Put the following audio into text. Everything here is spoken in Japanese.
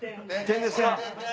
点ですね。